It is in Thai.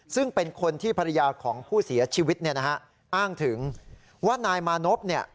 ซึ่งเป็นคนที่ภรรยาของผู้เสียชีวิตเนี่ยนะฮะอ้างถึงว่านายมานพเนี่ย